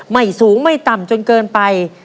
ไม่สูงไม่ต่ำจนเกินไป